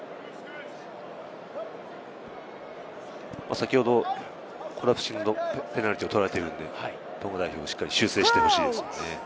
先ほどコラプシングのペナルティーを取られているので、トンガ代表、しっかり修正してほしいですね。